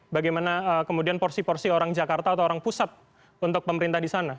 bagaimana kemudian porsi porsi orang jakarta atau orang pusat untuk pemerintah di sana